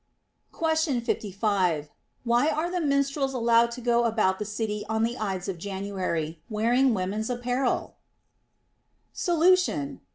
Question 55. Why are the minstrels allowed to go about the oity On the Ides of January, wearing women's apparel 1 Solution.